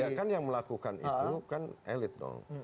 ya kan yang melakukan itu kan elit dong